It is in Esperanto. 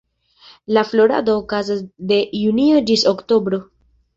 La florado okazas de junio ĝis oktobro.